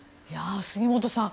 杉本さん